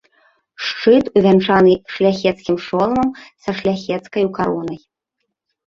Шчыт увянчаны шляхецкім шоламам са шляхецкаю каронай.